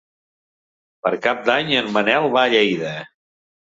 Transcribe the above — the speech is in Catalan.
Per Cap d'Any en Manel va a Lleida.